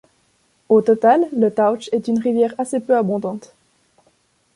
Au total, le Touch est une rivière assez peu abondante.